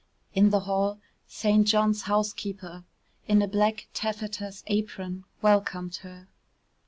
In the hall, St. John's housekeeper, in a black taffetas apron, welcomed her.